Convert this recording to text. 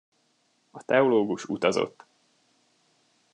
A teológus utazott.